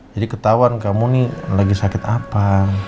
jadi ketahuan kamu nih lagi sakit apa